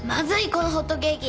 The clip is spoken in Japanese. このホットケーキ。